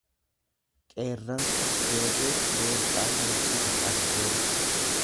Qeerransa seetee leencaan morkite adurreen.